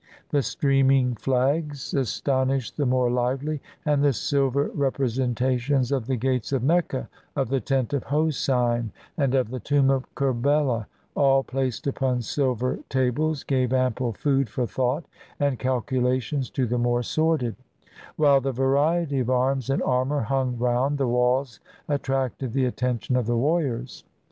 The streaming flags aston ished the more lively; and the silver representations of the gates of Mecca, of the tent of Hosein, and of the tomb of Kerbela, all placed upon silver tables, gave ample food for thought and calculations to the more sordid; while the variety of arms and armor hung round the walls attracted the attention of the warriors.